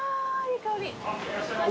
いらっしゃいませ。